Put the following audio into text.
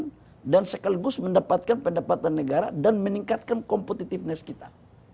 pekerjaan dan sekaligus mendapatkan pendapatan negara dan meningkatkan kompetitiveness kita